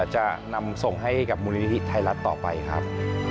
จะนำส่งให้กับมูลนิธิไทยรัฐต่อไปครับ